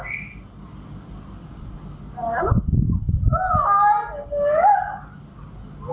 อิ่งแก้เลยสิ